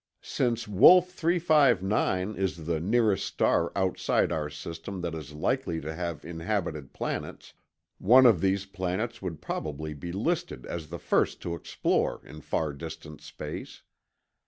Since Wolf 359 is the nearest star outside our system that is likely to have inhabited planets, one of these planets would probably be listed as the first to explore in far distant space.